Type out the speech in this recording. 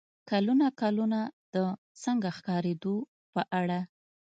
کلونه کلونه د "څنګه ښکارېدو" په اړه